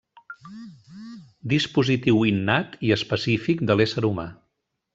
Dispositiu innat i específic de l'ésser humà.